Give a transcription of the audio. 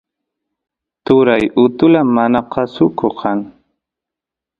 turay utula manakusuko kan